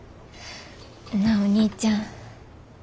なあお兄ちゃん。